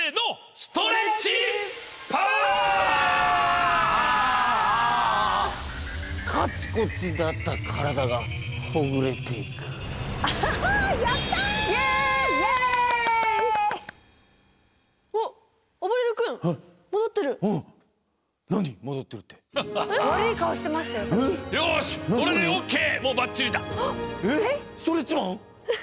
ストレッチマン？